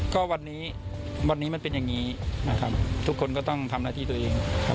ก็วันนี้วันนี้มันเป็นอย่างนี้นะครับทุกคนก็ต้องทำหน้าที่ตัวเองครับ